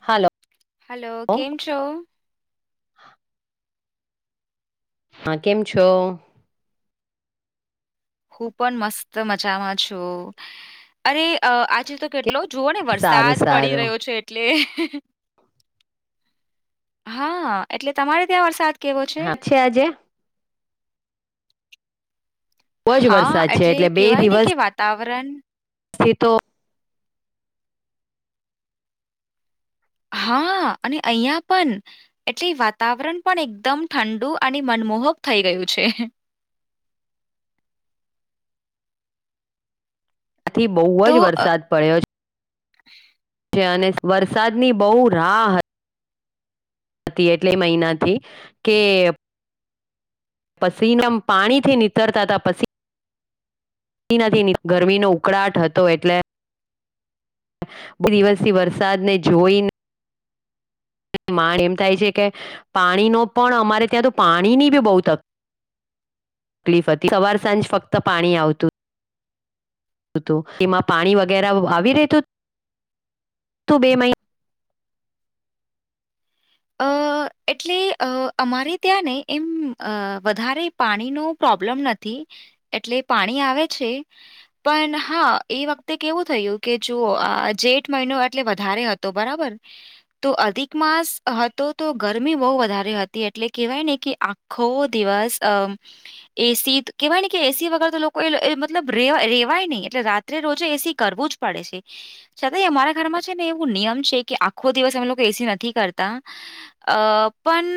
હાલો hello કેમ છો હા કેમ છો હું પણ મસ્ત મજામાં છું અરે આજે તો કેટ કે એટલો જુઓને સારું વરસાદ પડી સારું રહ્યો છે એટલે હા એટલે તમારે ત્યાં વરસાદ હા છે હજે બહુ જ હા વરસાદ છે એટલે કેહેવાય ને કે વાતાવરણ સે તો હા અને અહિયાં પન એટલે વાતાવરણ પણ એકદમ ઠંડુ અને મન મોહક થઈ ગયું છે [inaudible] આથી બઉ તો જ અ વરસાદ પડ્યો. [unintelligible] અને વરસાદની બઉ રાહ હતી. હતી એટલે મહિનાથી કે પસીના મ પાણીથી નીતરતા હતા પસી [unintelligible] નથી ગરમીનો ઉકળાટ હતો એટલે બે દિવસથી વરસાદને જોઈને માણ એમ થાય છે કે પાણી નો પણ અમારે ત્યાં તો પાણી ની બી બહુ તક કલીફ હતી સવાર સાંજ ફક્ત પાણી આવતું. તો એમાં પાણી વગેરા આવી રહેતું? તું બે મહી અ [inaudible] એટલે અ અમારે ત્યાં ને એમ અ વધારે પાણીનો પ્રોબ્લેમ નથી. એટલે પાણી આવે છે પણ હા એ વખતે કેવું થયું કે જો. અ જેઠ મહિનો એટલે વધારે હતો બરાબર! તો અધિક માસ હતો તો ગરમી બહુ વધારે હતી એટલે કેહેવાય ને કે આખો દિવસ અમ એસી ત કેહેવાય કે એસી વગર તો લોકોએ એ મતલબ રેવારેવાય ની એટલે રાત્રે રોજે એસી કરવો. [unintelligible] પડે છે. છતાંય અમારા ઘરમાં છે ને એવું નિયમ છે કે આખો દિવસ અમે લોકો એસી નથી કરતા. [unintelligible] અ પણ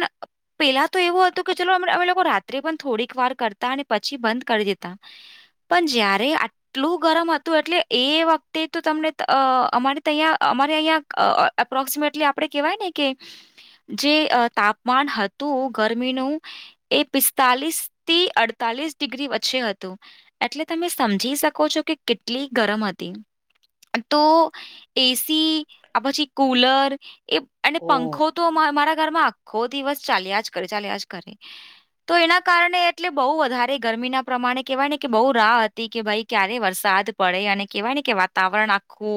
પેલા તો એવું હતું કે ચલો [unintelligible] અમે લોકો રાત્રે પણ થોડીક વાર કરતા ને પછી બંધ કરી દેતા. પણ જયારે આટલું ગરમ હતું એટલે એ વખતે તો તમને અ અમારે તહીંયા અમારે અહીંયા અ અપ્રોક્સિમેટલી આપડે કેવાય ને કે જે અ તાપમાન હતું ગરમીનું એ પિસ્તાલીસ તી અડતા લીસ ડિગ્રી વચ્ચે હતું એટલે તમે સમજી શકો છો કે કેટલી ગરમ હતી. તો એસી આપછી કુલર એ અને ઓ. પંખો તો માં મારા ઘરમાં આખો દિવસ ચાલ્યા જ કરે, ચાલ્યા જ કરે તો એના કારણે એટલે બહુ વધારે ગર મીના પ્રમાણે કહેવાય ને કે બહુ રાહ હતી કે ભાઈ ક્યારે વરસાદ પડે અને કહેવાય ને કે વાતાવરણ આખું ખુ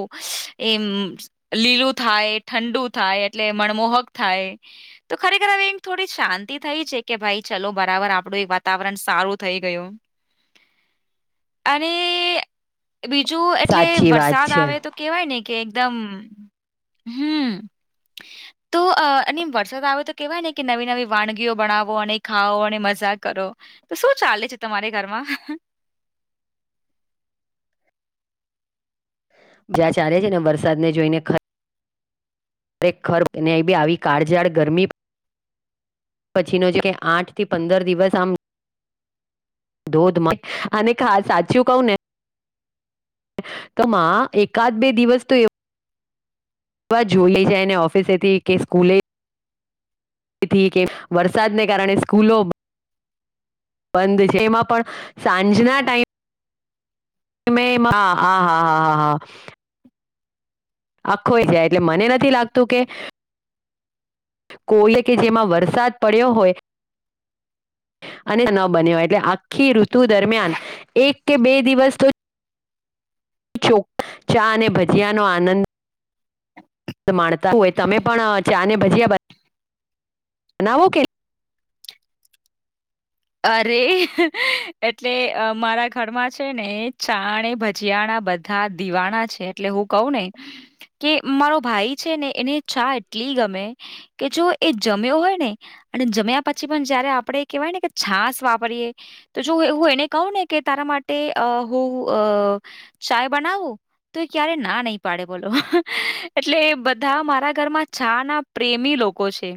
એમ લીલું થાય ઠંડુ થાય. ટલે મણમોહક થાય તો ખરેખર હવે થોડી શાંતિ થઈ છે કે ભાઈ ચલો બરાબર આપડું [unintelligible] વાતાવરણ સારું થઈ ગયું. [inaudible] અને બીજું એટલે સાચી વાત વરસાદ છે આવે તો કેવાય ને કે એકદમ હમ્મ. [inaudible] તો અ અને વરસાદ આવે તો કેહેવાય ને કે નવી નવી વાણગીઓ બણાવો અને ખાાઓ અણે મઝા કરો. તો શું ચાલે છે તમારે ઘરમાં. [inaudible] જ્યાં ચારે છેને બરસાદ ને જોઈને ખ ખરે ખર એનેય બી આવી કાળઝાળ ગરમી પછીનો જે કે આઠથી પંદર દિવસ આમ ધોધમાં આને [inaudible] સાચું કઉ ને તો માં એકાદ બે દિવસ તો એવ એવા જોઈ લઈ જાયને ઓફિસે થી કે સ્કૂલે થી કે વરસાદને કારણે સ્કૂલો બંધ છે એમાં પણ સાંજના ટાઈમ તમે એમાં હા હા હા હા હા હા. આખોય જાય એટલે મને નથી લાગતું કે કોયલે કે જેમાં વરસાદ પડ્યો હોય અને ન બન્યો હોય એટલે આખી ઋતુ દરમિયાન એક કે બે દિવસ તો. ચોખ ચા અને ભજીયાનો આનંદ માણતા હોય તમે પણ ચા ને ભજીયા બનાવો કે. અરે એટલે મારા ઘરમાં છે ને ચાણે ભજીયાણા બધા દિવાણા છે એટલે હું કહું ને કે મારો ભાઈ છે ને એને ચા એટલી ગમે કે જો એ જમ્યો હોય ને અને જમ્યા પછી પણ જયારે આપડે એ કેહેવાય ને કે છાસ વાપરીએ તો જો હું એને કહું ને કે તારા માટે હું અ ચાય બનાવું. તો એ ક્યારે ના નહી પાડે બોલો એટલે બધા મારા ઘરમાં ચા ના પ્રેમી લોકો છે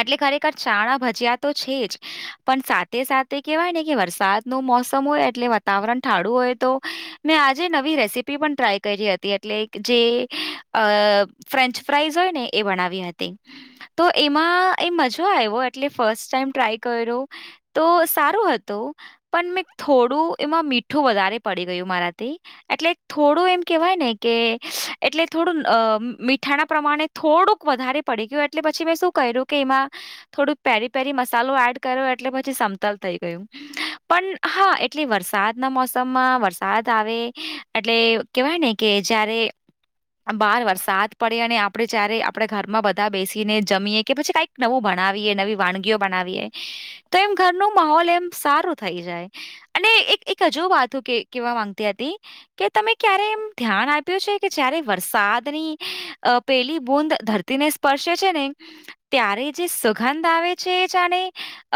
એટલે ખરેખર ચા ના ભજીયા તો છે જ. પણ સાથે સાથે કેવાય ને કે વરસાદ નું મોસમ હોય એટલે વાતાવરણ ઠાળું હોય તો મે આજે નવી રેસીપી પણ ટ્રાય કરી હતી એટલે જે આ ફ્રેન્ચ ફ્રાઈઝ હોય ને એ બનાવી હતી તો એમાં એ મજ આવ્યો એટલે ફસ્ટ ટાઈમ ટ્રાય કર્યો. તો સારું હતું પણ મેં થોડું એમાં મીઠું વધારે પડી ગયું મારા તે એટલે થોડું એમ કેવાય કે એટલે થોડું મીઠા પ્રમાણે થો થોડુંક વધારે પડી ગયું એટલે પછી મેં શું કર્યું કે એમાં થોડુંક પેરી પેરી મસાલો એડ કર્યો એટલે પછી સમતાલ થઈ ગયું. પણ હા એટલે વરસાદના મોસમમાં વરસાદ આવે એટલે કેહેવાય ને કે એ જ્યારે બાર વરસાદ પડે અને આપડે જયારે આપણે ઘરમાં બધા બેસીને જમીએ કે પછી કાઈક નવું બા બનાવી એ નવી વાનગીઓ બનાવીએ. તો એમ ઘર નું માહોલ એમ સારો થઈ જાય અને એક એક હજુ વાતો કેવા માંગતી હતી. કે તમે ક્યારે એમ ધ્યાન આપ્યું છે કે જયારે વરસાદની પેલી બુંદ ધરતીને સ્પર્શ છે ને ત્યારે જે સુગંધ આવે છે જાણે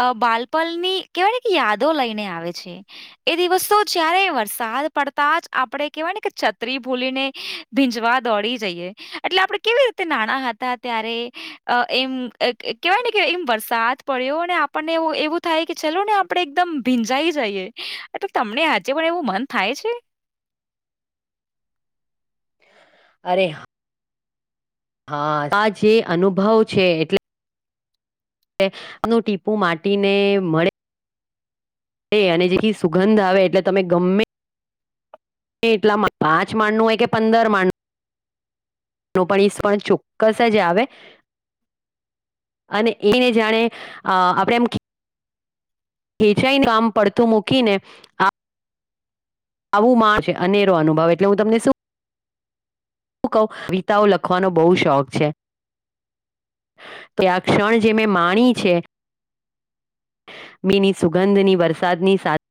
અ બાલપલ ની કેહેવાય કે યાદો લઈને આવે છે એ દિવસ તો જયારે વરસાદ પડતા જ આપડે કેહેવાય ને કે છત્રી ભૂલીને ભીંજવા દોડી જઈએ એટલે આપડે કેવી તે નાના હતા ત્યારે આ એમ કે કેવાય ને એમ વરસાદ પડ્યો ને પણ એવું એવું થાય કે ચાલું ને આપડે એકદમ ભીંજાઈ જઈએ એટલે તમને હાજે પણ એવું મન થાય પણ છે. અરે હા આ જે અનુભવ છે એટલે નું ટીપું માટીને મળે. અને જેથી સુગંધ આવે એટલે તમે ગમે એટલા પાંચ માણનું હોય કે પંદર માણનું પણ ઈસ પણ ચોક્કસ જ આવે. અને એને જાણે અ આપણેે એમ ખેંચાઈનું કામ પડતું મૂકીને આ આવું મા છે અનેરો અનુભવ એટલે હું તમને શું હું કહું કવિતાઓ લખવાનો બહુ શોખ છે. તે આ ક્ષણ જે મેં માણી છે. મીની સુગંધની વરસાદની સાથે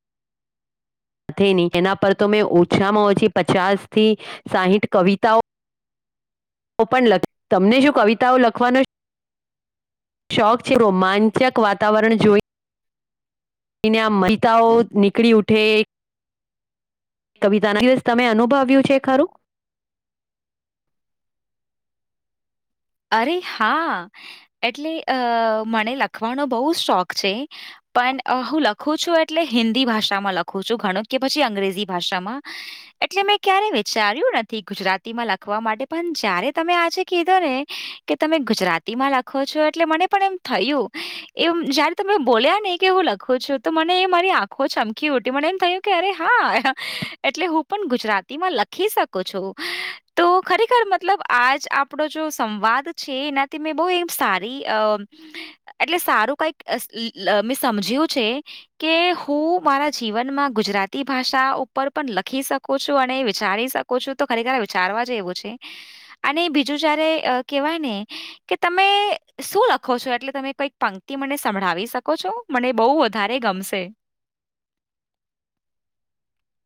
સાથે નહીં એના પર તો મેં ઓછામાં ઓછી પચાસ થી સાહીઠ કવિતાઓ તો પણ લખી તમને શું કવિતાઓ લખવાનો છે શોખ છે રોમાંચક વાતાવરણ જોઈ અના મિતાઓ નીકળી ઉઠે. કવિતાનો દિવસ તમે અનુભવ્યું છે ખરું? [inaudible] અરે હા એટલે અ મને લખવાનો બહુ શોખ છે. પણ હું લખું છું એટલે હિન્દી ભાષામાં લખું છું ઘણું કે પછી અંગ્રેજી ભાષામાં. એટલે મેં ક્યારે વિચાર્યું નથી ગુજરાતી માં લખવા માટે પણ જયારે તમે આજે કીધો ને કે તમે ગુજરાતીમાં લખો છો એટલે મને પણ એમ થયું એમ જયારે તમે બોલ્યા ને ને કેવુ લખું છું તો મને મારી આંખો ચમકી ઉઠી મને એમ થયું કે અરે હા એટલે હું પણ ગુજરાતીમાં લખી શકો છો તો ખરેખર મતલબ આજ આપડો જો સંવાદ છે એનાથી મેં બહું સારી અ એટલે સારું કઈક અ તમે સમજ્યો છે કે હું મારા જીવનમાં ગુજરાતી ભાષા ઉપર પણ લખી શકો છો અને વિચારી શકો છો તો ખરેખર વિચારવા જ એવું છે, અને બીજું જાયારે અ કહેવાય ને કે તમે શું લખો છો એટલે તમે કોઈક પંક્તિ મને સંભળાવી શકો છો? તો મને બહું વધારે ગમશે. [inaudible]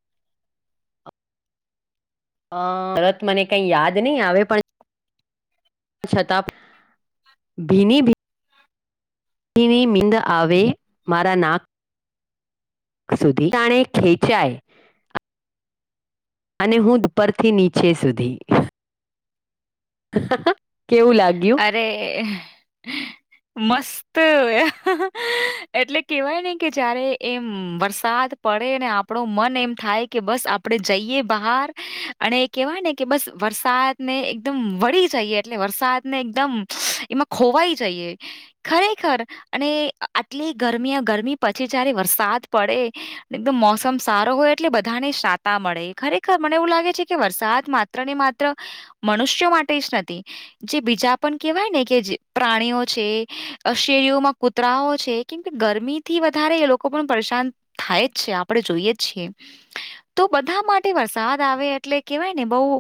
અ તરત મને કઈ યાદ નહી આવે પણ છતાં ભીની ભીની મિંદ આવે મારા નાક સુધી જાણે ખેંચાય અને હું ઉપરથી નીચે સુધી. કેવું લાગ્યું? અરે. મસ્ત એટલે કેવાય ને કે જયારે એમ વરસાદ પડે ને આપણો મન એમ થાય કે બસ આપડે જઈએ બહાર અને કેવાય ને કે બસ વરસાદને એકદમ વળી જઈએ એટલે વરસાદ ને એકદમ એમાં ખોવાય જઈએ ખરેખર અને આટલી ગરમી ગરમી પછી જયારે વરસાદ પડે એકદમ મોસમ સારો હોય એટલે બધાને સાતા મળે. ખરેખર મને એવું લાગે છે, કે વરસાદ માત્ર ને માત્ર મનુષ્યો માટે જ નથી જે બીજા પણ કેહેવાય ને કે જે પ્રાણીઓ છે. અ શેરીઓમાં કૂતરાઓ છે કેમ કે ગરમી થી વધારે એ લોકો પણ પરેશાન થાય જ છે, આપણે જોઈએ છીએ તો બધા માટે વરસાદ આવે એટલે કેવાય ને બહું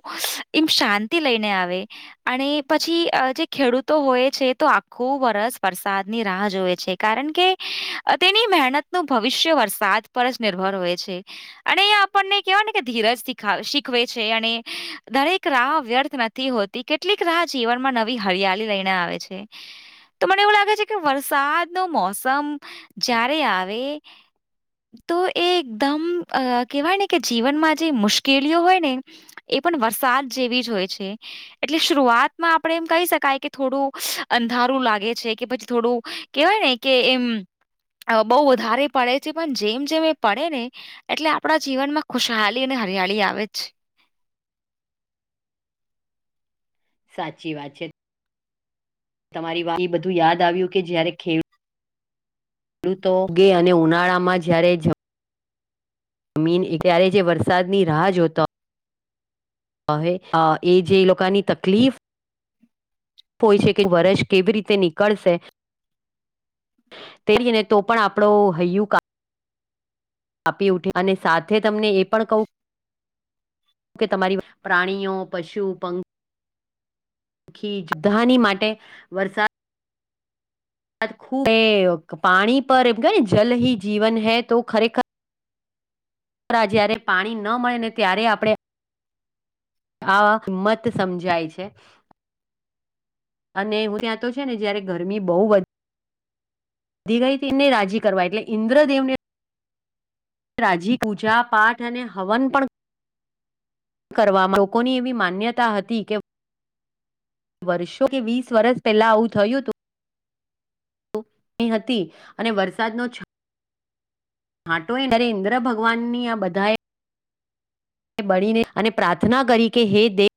એમ શાંતિ લઈને આવે અને પછી જે ખેડૂતો હોય છે, તો આખું વરસ વરસાદની રાહ જોએ છે કારણ કે અ તેની મહેનત નું ભવિષ્ય વરસાદ પર જ નિર્ભર હોય છે અને આપણને કેવાને ધીરજ થી ખાતા શીખવે છે અને દરેક રાહ વ્યર્થ નથી હોતી કેટલીક રાહ જીવન માં નવી હરિયાળી લઈને આવે છે. તો મને એવું લાગે છે કે વરસાદ નો મોસમ જ્યારે આવે તો એ એકદમ કહેવાય ને કે જીવનમાં જે મુશ્કેલીઓ હોય ને એ એ પણ વરસાદ જેવી જ હોય છે એટલે શરૂઆત માં આપડે એમ કહી શકાય કે થોડું અંધારું લાગે છે કે પછી થોડું કેવાય ને કે એમ બહુ વધારે પડે છે પણ જેમ જેમ એ પડે ને એટલે આપણા જીવનમાં ખુશહાલી અને હરિયાળી આવે જ સાચી વાત છે તમારી વાત એ બધું યાદ આવ્યું કે જ્યારે ખેડૂત ખેડૂતો ઉગે અને ઉનાળામાં જ્યારે જ જમીન ત્યારે જે વરસાદની રાહ જોતો હોય એ જે લોકોની તકલીફ હોય છે કે વર્ષ કેવી રીતે નીકળશે તેરીને તો પણ આપણો હૈયું કામ કાપી ઉઠે અને સાથે તમને એ પણ કહું જો કે તમારી પ્રાણીઓ પશુ પંખી પાંખી બધાની માટે વરસાદ ખૂબ પાણી પર એમ કેને જલ હિ જીવન હૈ તો ખરેખર રા જ્યારે પાણી ન મળે ને ત્યારે આપણે તો કિંમત સમજાય છે અને હું ત્યાં તો છે ને જયારે ગરમી બહુ વધી ગઈ તને રાજી કરવા એટલે ઇન્દ્રદેવને રાજી પૂજા પાઠ અને હવન પણ કરવામાં લોકોની એવી માન્યતા હતી કે વર્ષો કે વીસ વર્ષ પહેલા આવું થયું હતું. હતી અને વરસાદનો ઘાંટોય અરે ઇન્દ્ર ભગવાનની આ બધાએ બળને અને પ્રાર્થના કરી કે હે દે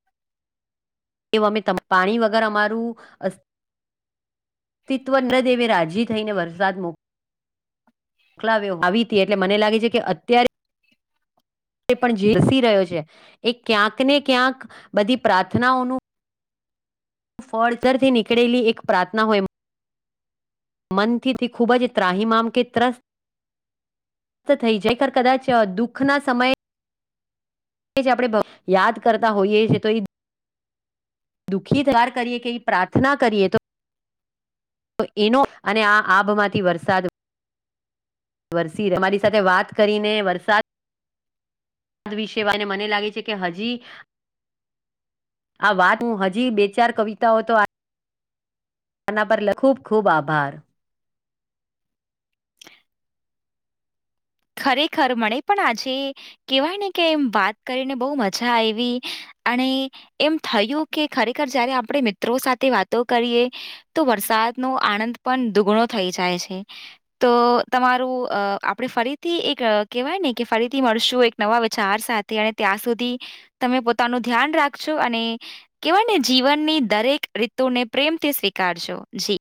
એ અમે પાણી વગર અમારું તિત્વન્દરદેવે રાજી થઈને વરસાદ મોક્યો ખલાવે આવી હતી એટલે મને લાગે છે કે અત્યારે એ પણ જીલસી રહ્યો છે એ ક્યાંક ને ક્યાંક બધી પ્રાર્થનાઓનું ફળતરથી નીકળેલી એક પ્રાર્થના હોય મનથી તે ખૂબ જ ત્રાહીમામ કે ત્રસ્ત ત થઈ જખર કદાચ દુઃખના સમયે છે આપણે યાદ કરતા હોઈએ છીએ તો એ દુઃખી દાર કરીએ કે પ્રાર્થના કરીએ તો તો એનો અને આ આભમાંથી વરસાદ વરસીર અમારી સાથે વાત કરીને વરસાદ આદ વિષવાય અને મને લાગે છે કે હજી આ વાત હું હજી બે ચાર કવિતાઓ તો આના પર લખૂબ ખૂબ આભાર ખરેખર મને પણ આજે કેહેવાય ને કે એમ વાત કરીને બહુ મજા આયવી અને એમ થયું કે ખરેખર જયારે આપણે મિત્રો સાથે વાતો કરીએ તો વરસાદ નો આનંદ પણ દુગણો થઈ જાય છે તો તમારું આપ ફરી થી એક કેહેવાય ને કે ફરીથી મળશું એક નવા વિચાર સાથે અને ત્યાં સુધી તમે પોતાનું ધ્યાન રાખજો અને કેવાય ને જીવનની દરેક રીતુને પ્રેમથી સ્વીકારજો જી